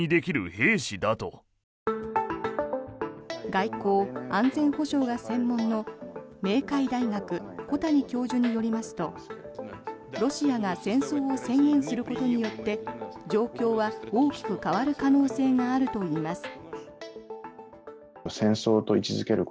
外交・安全保障が専門の明海大学、小谷教授によりますとロシアが戦争を宣言することによって状況は大きく変わる可能性があるといいます。